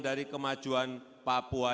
dari kemajuan papua